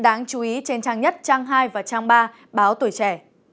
đáng chú ý trên trang nhất trang hai và trang ba báo tuổi trẻ